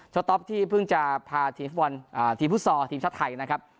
ช่วงต้อมที่พึ่งจะพาทีมฟุตสอทีมชาติไทยนะครับ